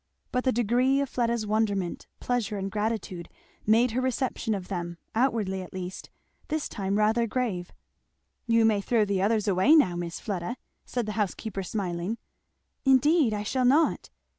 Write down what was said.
But the degree of Fleda's wonderment, pleasure, and gratitude, made her reception of them, outwardly at least, this time rather grave. "You may throw the others away now, Miss Fleda," said the housekeeper smiling. "Indeed I shall not!